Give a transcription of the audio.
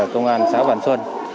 công an xã bàn xuân